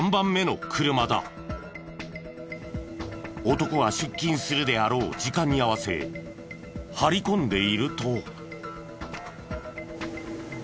男が出勤するであろう時間に合わせ張り込んでいると。